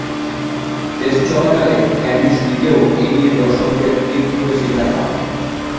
Test চলাকালে Candice নিজেও এ নিয়ে দর্শকদের বিদ্রূপের শিকার হন।